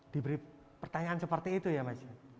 diberi pertanyaan seperti itu ya mas